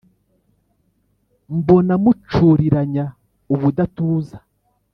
Mbona mucuriranya ubudatuza